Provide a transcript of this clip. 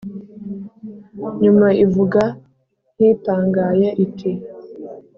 nyuma ivuga nk’itangaye iti: